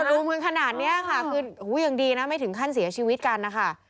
รุมกันขนาดนี้ค่ะคือยังดีนะไม่ถึงขั้นเสียชีวิตกันนะคะ